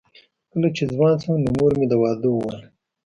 کله چې ځوان شوم نو مور مې د واده وویل